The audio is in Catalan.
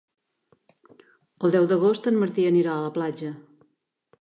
El deu d'agost en Martí anirà a la platja.